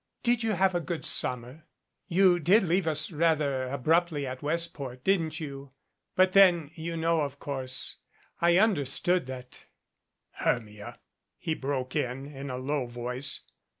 "Did you have a good summer? You did leave us rather abruptly at Westport, didn't you? But then you know, of course, I understood that " "Hermia," he broke in in a low voice.